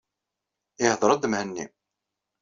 Ihḍeṛ-d Mhenni.